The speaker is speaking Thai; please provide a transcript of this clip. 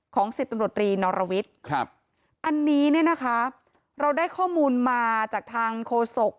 ของศิษย์ตำรวจรีนอรวิทอันนี้เราได้ข้อมูลมาจากทางโคศก